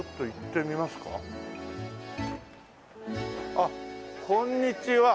あっこんにちは。